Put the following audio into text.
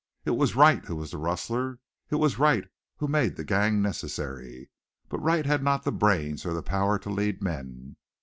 It was Wright who was the rustler. It was Wright who made the gang necessary. But Wright had not the brains or the power to lead men.